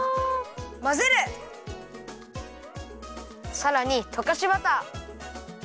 さらにとかしバター。